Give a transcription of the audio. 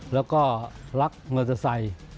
แล้วก็ลักมอเตอร์ไซค์